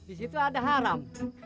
disitu ada haram